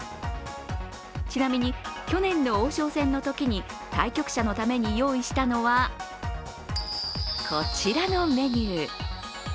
ちなみに、去年の王将戦のときに対局者のために用意したのはこちらのメニュー。